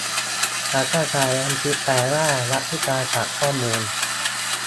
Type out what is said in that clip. ดาต้าไซเอนทิสต์ แปลว่านักวิทยาศาสตร์ข้อมูล